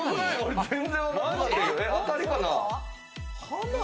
当たりかな？